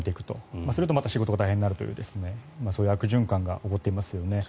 そうするとまた仕事が大変になるというそういう悪循環が起こっていますよね。